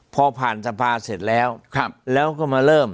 พอผ่านสภาเสร็จแล้วแล้วก็มาเริ่ม